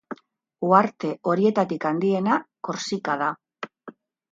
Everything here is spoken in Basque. Uharte horietatik handiena Korsika da.